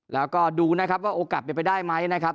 แล้วก็ดูนะครับว่าโอกาสเป็นไปได้ไหมนะครับ